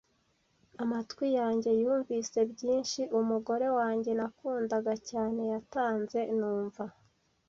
amatwi yanjye yumvise byinshi, umugore wanjye nakundaga cyane yatanze numva